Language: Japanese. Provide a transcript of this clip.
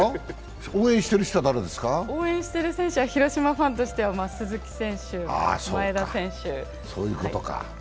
応援している選手は広島ファンとしてはそういうことか。